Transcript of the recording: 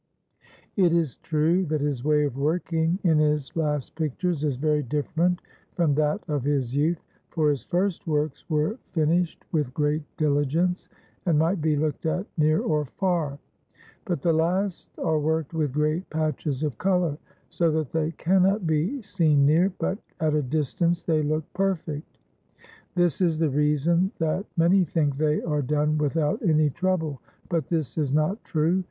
It is true that his way of working in his last pictures is very different from that of his youth. For his first works were finished with great dihgence, and might be looked at near or far; but the last are worked with great patches of color, so that they cannot be seen near, but at a distance they look perfect. This is the reason that many think they are done without any trouble, but this is not true.